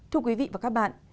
thưa quý vị và các bạn